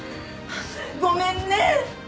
ごめんね。